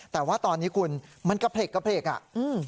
แต่ว่าตอนนี้คุณมันกระเพลกกระเพลกอ่ะอืม